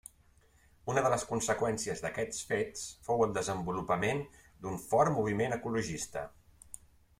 Una de les conseqüències d’aquests fets fou el desenvolupament d’un fort moviment ecologista.